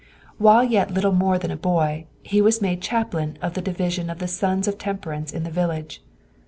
While yet little more than a boy, he was made chaplain of the division of the Sons of Temperance in the village.